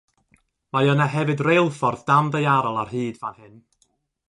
Mae yna hefyd reilffordd danddaearol ar hyd fan hyn.